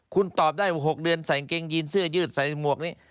คุณตอบได้ว่า๖เดือนใส่กางเกงยีนเสื้อยืดใส่หมวกนี้